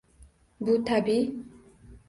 Bu tabiiy